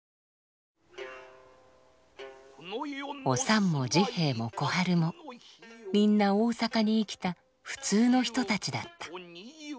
おさんも治兵衛も小春もみんな大坂に生きた普通の人たちだった。